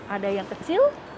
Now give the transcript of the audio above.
ada yang kecil